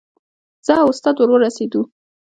زه او استاد ور ورسېدو.